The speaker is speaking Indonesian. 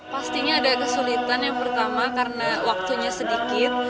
pastinya ada kesulitan yang pertama karena waktunya sedikit